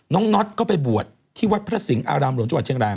น้องน็อตเข้าไปบวชที่วัดพระสิงห์อารามหลวงจัวร์เชียงแรม